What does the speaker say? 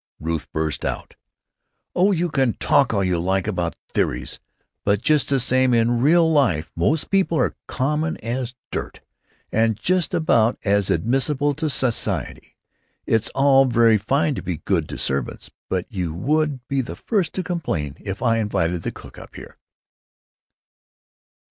Ruth burst out: "Oh, you can talk all you like about theories, but just the same, in real life most people are common as dirt. And just about as admissible to Society. It's all very fine to be good to servants, but you would be the first to complain if I invited the cook up here."